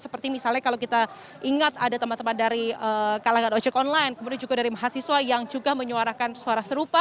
seperti misalnya kalau kita ingat ada teman teman dari kalangan ojek online kemudian juga dari mahasiswa yang juga menyuarakan suara serupa